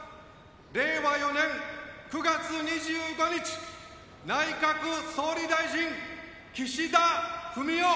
令和４年９月２５日内閣総理大臣岸田文雄